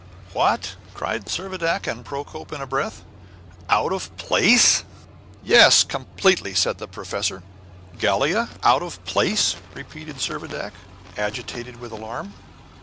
"What!" cried Servadac and Procope in a breath, "out of place?" "Yes, completely," said the professor. "Gallia out of place?" repeated Servadac, agitated with alarm.